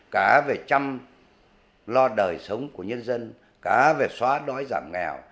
cá về chăm lo đời sống của nhân dân cá về xóa đói giảm nghèo